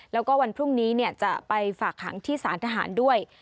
แล้วก็วันพรุ่งนี้จะไปฝากหางที่สารทหารด้วย